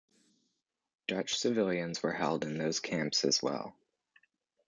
Dutch civilians were held in those camps as well.